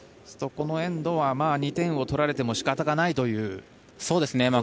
このエンドは２点を取られても仕方がないということですね。